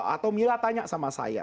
atau mila tanya sama saya